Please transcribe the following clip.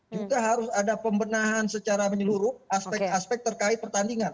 juga harus ada pembenahan secara menyeluruh aspek aspek terkait pertandingan